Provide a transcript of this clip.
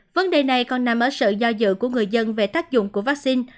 vấn đề này còn nằm ở sự do dự của người dân về tác dụng của vaccine